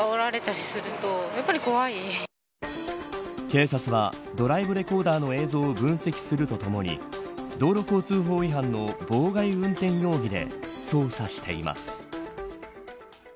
警察はドライブレコーダーの映像を分析するとともに道路交通法違反の妨害運転容疑で捜査しています。